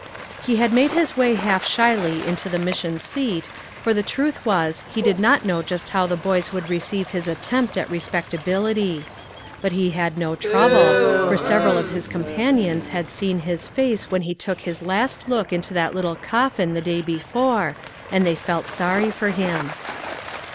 He made his way half shyly into the mission seat, for the truth was he did not know just how the boys would receive his attempt at respectability; but he had no trouble, for several of his companions had seen his face when he took his last look into that little coffin the day before, and they felt sorry for him.